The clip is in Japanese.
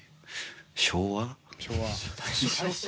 昭和？